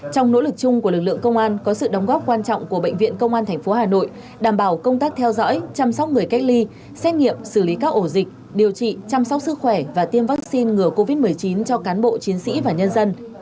trong nỗ lực chung của lực lượng công an có sự đóng góp quan trọng của bệnh viện công an tp hà nội đảm bảo công tác theo dõi chăm sóc người cách ly xét nghiệm xử lý các ổ dịch điều trị chăm sóc sức khỏe và tiêm vaccine ngừa covid một mươi chín cho cán bộ chiến sĩ và nhân dân